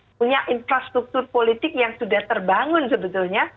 punya infrastruktur politik yang sudah terbangun sebetulnya